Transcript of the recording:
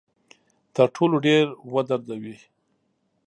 تر ټولو ډیر ودردوي.